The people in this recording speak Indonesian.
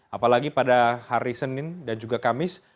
apalagi pada hari senin dan juga kamis